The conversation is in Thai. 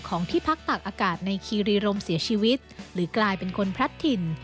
ที่พักตักอากาศในคีรีรมเสียชีวิตหรือกลายเป็นคนพลัดถิ่น